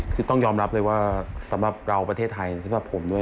คือต้องยอมรับเลยว่าสำหรับเราประเทศไทยสำหรับผมด้วย